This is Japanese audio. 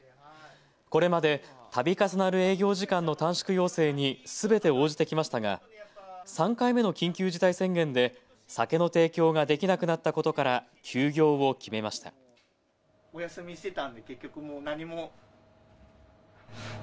これまで、たび重なる営業時間の短縮要請にすべて応じてきましたが３回目の緊急事態宣言で酒の提供ができなくなったことから休業を決めました。